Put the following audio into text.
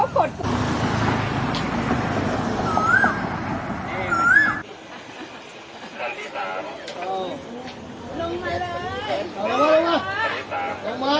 เขารึงหาลงมา